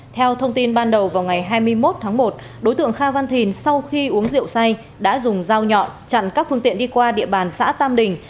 theo thông tin ban đầu vào ngày hai mươi một tháng một đối tượng kha văn thìn sau khi uống rượu say đã dùng dao nhọn chặn các phương tiện đi qua địa bàn xã tam đình